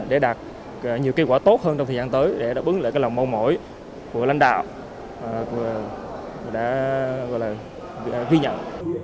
để đạt nhiều kết quả tốt hơn trong thời gian tới để đáp ứng lại cái lòng mong mỏi của lãnh đạo đã gọi là ghi nhận